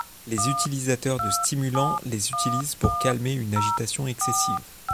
Les utilisateurs de stimulants les utilisent pour calmer une agitation excessive.